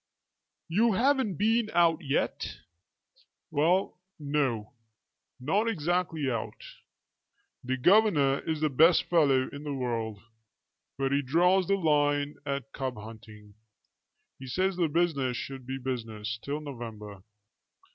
"You haven't been out yet?" "Well, no; not exactly out. The governor is the best fellow in the world, but he draws the line at cub hunting. He says the business should be the business till November.